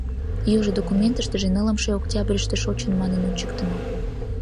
южо документыштыже нылымше октябрьыште шочын манын ончыктымо